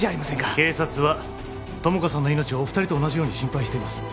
警察は友果さんの命をお二人と同じように心配してます